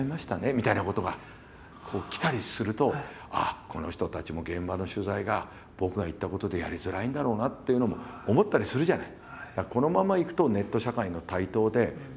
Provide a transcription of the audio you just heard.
みたいなことが来たりするとあっこの人たちも現場の取材が僕が言ったことでやりづらいんだろうなっていうのも思ったりするじゃない。